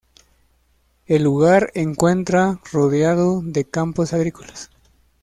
El lugar encuentra rodeado de campos agrícolas.